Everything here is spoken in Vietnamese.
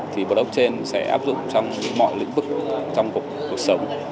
thì blockchain sẽ áp dụng trong mọi lĩnh vực trong cuộc sống